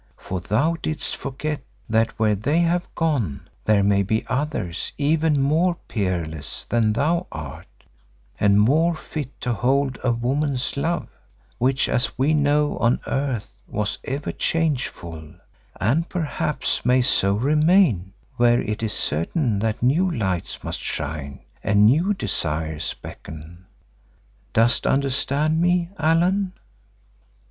For thou didst forget that where they have gone there may be others even more peerless than thou art and more fit to hold a woman's love, which as we know on earth was ever changeful, and perhaps may so remain where it is certain that new lights must shine and new desires beckon. Dost understand me, Allan?"